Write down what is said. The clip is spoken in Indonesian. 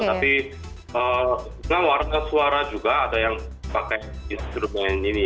tapi sebenarnya warna suara juga ada yang pakai instrumen ini